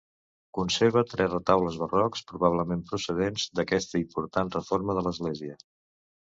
Conserva tres retaules barrocs, probablement procedents d'aquesta important reforma de l'església.